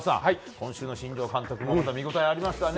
今週の新庄監督もまた見応えがありましたね。